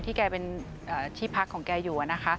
ที่แกเป็นที่พักของแกอยู่